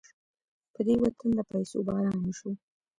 په دې وطن د پيسو باران وشو.